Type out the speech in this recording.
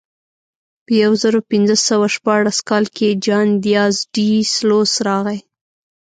په یو زرو پینځه سوه شپاړس کال کې جان دیاز ډي سلوس راغی.